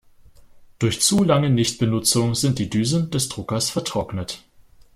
Durch zu lange Nichtbenutzung sind die Düsen des Druckers vertrocknet.